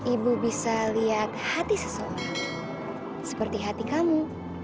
ibu bisa lihat hati seseorang seperti hati kamu